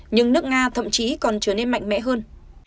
nhưng nước nga thậm chí còn trở nên mạnh mẽ hơn